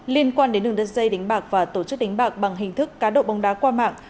liên quan đến đường dây đánh bạc và tổ chức đánh bạc bằng hình thức cá độ bóng đá qua mạng